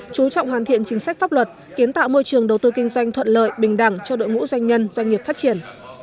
chú trọng hoàn thiện chính sách pháp luật kiến tạo môi trường đầu tư kinh doanh thuận lợi bình đẳng cho đội ngũ doanh nhân doanh nghiệp phát triển